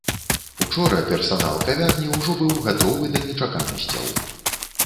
Учора персанал кавярні ўжо быў гатовы да нечаканасцяў.